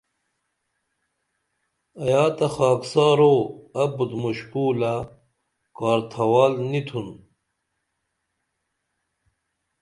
ایا تہ خاکسارو ابُت مُشکُولہ کار تھوال نی تُھن